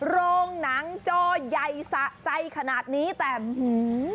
โรงหนังโจ่ใยสะใจขนาดนี้แต่หื้อ